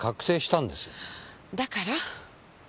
だから？